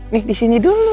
nih disini dulu